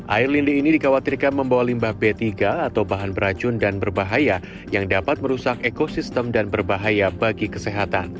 air lindi ini dikhawatirkan membawa limbah b tiga atau bahan beracun dan berbahaya yang dapat merusak ekosistem dan berbahaya bagi kesehatan